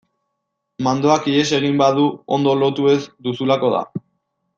Mandoak ihes egin badu ondo lotu ez duzulako da.